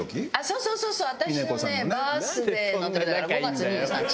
そうそうそうそう！